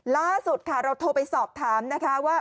ล่าสุดค่ะเราโทรไปสอบถามนะคะว่า